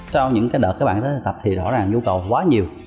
sau những đợt các bạn đã tập thì rõ ràng là nhu cầu quá nhiều